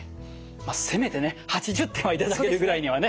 せめてね８０点は頂けるぐらいにはね